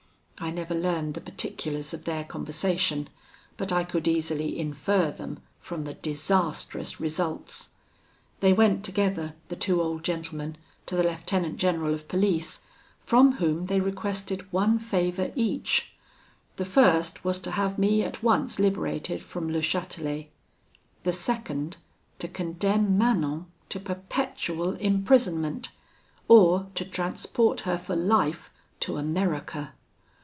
I never learned the particulars of their conversation; but I could easily infer them from the disastrous results. They went together (the two old gentlemen) to the lieutenant general of police, from whom they requested one favour each: the first was to have me at once liberated from Le Chatelet; the second to condemn Manon to perpetual imprisonment, or to transport her for life to America.